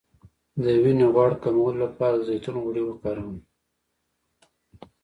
د وینې غوړ کمولو لپاره د زیتون غوړي وکاروئ